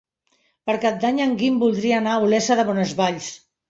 Per Cap d'Any en Guim voldria anar a Olesa de Bonesvalls.